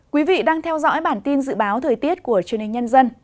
quý vị đang theo dõi bản tin dự báo thời tiết của truyền hình nhân dân